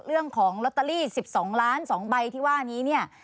เรื่องของลอตเตอรี่๑๒ล้าน๒ใบที่ว่านี้เนี่ย